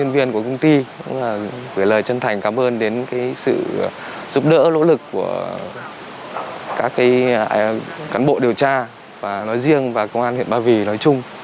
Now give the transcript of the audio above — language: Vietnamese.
với lời chân thành cảm ơn đến sự giúp đỡ lỗ lực của các cán bộ điều tra và nói riêng và công an huyện ba vì nói chung